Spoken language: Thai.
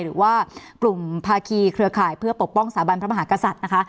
หรือว่ากลุ่มภาคีเครือข่ายเพื่อปกป้องสถาบันพระมหากษัตริย์นะคะ